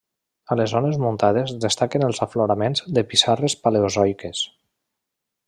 A les zones muntades destaquen els afloraments de pissarres paleozoiques.